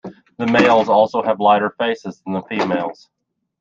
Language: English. The males also have lighter faces than the females.